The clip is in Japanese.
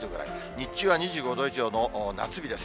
日中は２５度以上の夏日です。